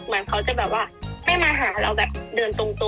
เหมือนเขาจะแบบว่าไม่มาหาเราแบบเดินตรง